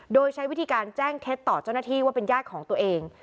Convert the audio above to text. โดยใช้วิธีการแจ้งเท็จต่อเจ้าหน้าที่ว่าเป็นญาติของตัวเอง